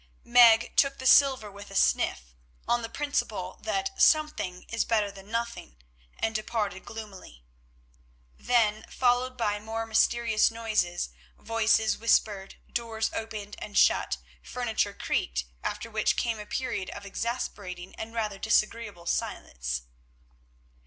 Meg took the silver with a sniff, on the principle that something is better than nothing, and departed gloomily. Then followed more mysterious noises; voices whispered, doors opened and shut, furniture creaked, after which came a period of exasperating and rather disagreeable silence.